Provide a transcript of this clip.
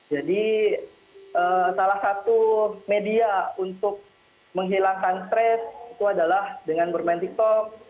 jadi salah satu media untuk menghilangkan stress itu adalah dengan bermain tiktok